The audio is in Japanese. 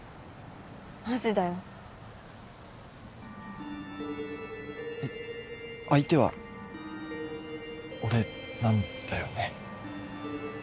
マジだよえっ相手は俺なんだよね？